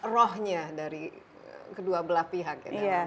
rohnya dari kedua belah pihak ya